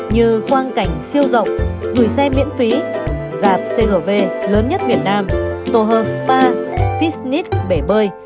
như quan cảnh siêu rộng gửi xe miễn phí dạp chv lớn nhất việt nam tổ hợp spa fitness bể bơi